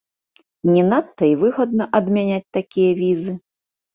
Не надта і выгадна адмяняць такія візы.